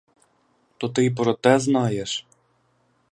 То ти й про те знаєш?